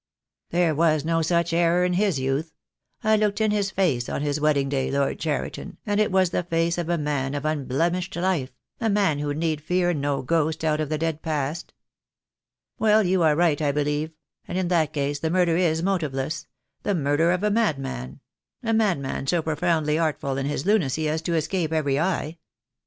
"There was no such error in his youth. I looked in his*face on his wedding day, Lord Cheriton, and it was the face of a man of unblemished life — a man who need fear no ghost out of the dead past." "Well, you are right, I believe — and in that case the THE DAY WILL COME. 2C>5 murder is motiveless — the murder of a madman — a mad man so profoundly artful in his lunacy as to escape every eye.